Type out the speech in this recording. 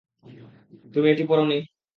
তুমি এটি পরো নি?